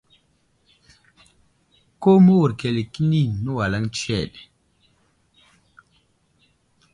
Ku məwuro akəle kəni nəwalaŋ tsəhed.